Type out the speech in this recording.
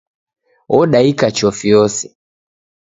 Odaika chofi yose.